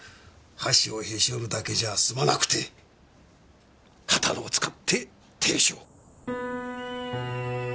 箸をへし折るだけじゃ済まなくて秦野を使って亭主を。